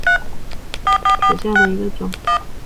台湾梭罗为梧桐科梭罗树属下的一个种。